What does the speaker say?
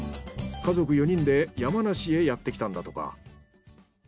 家族４人で山梨へやってきたんだとか。